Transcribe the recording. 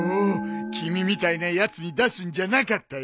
君みたいなやつに出すんじゃなかったよ。